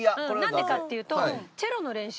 なんでかっていうと。